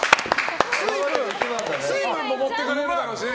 水分も持ってかれるしね。